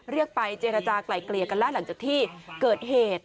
เรียกไปเจรจากลายเกลี่ยกันแล้วหลังจากที่เกิดเหตุ